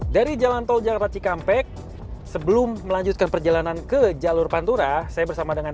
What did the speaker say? dari jalan tol jakarta cikampek sebelum melanjutkan perjalanan ke jalur pantura saya bersama dengan